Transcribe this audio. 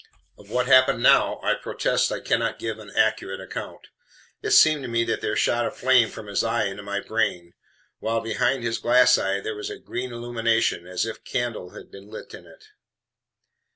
Of what happened now I protest I cannot give an accurate account. It seemed to me that there shot a flame from his eye into my brain, while behind his GLASS eye there was a green illumination as if a candle had been lit in it.